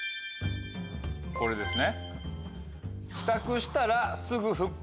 これですね。